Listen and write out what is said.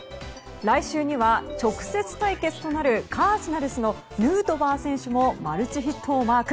来週には直接対決となるカージナルスのヌートバー選手もマルチヒットをマーク。